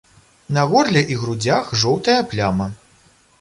На горле і грудзях жоўтая пляма.